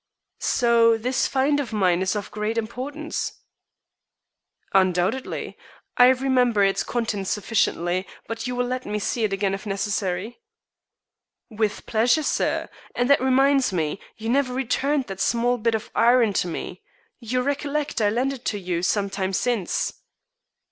"So this find of mine is of great importance?" "Undoubtedly. I remember its contents sufficiently, but you will let me see it again if necessary?" "With pleasure, sir. And that reminds me. You never returned that small bit of iron to me. You recollect I lent it to you some time since."